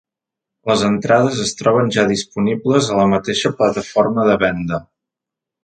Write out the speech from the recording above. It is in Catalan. Les entrades es troben ja disponibles a la mateixa plataforma de venda.